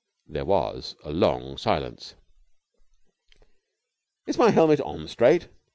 There was a long silence. "Is my helmet on straight?"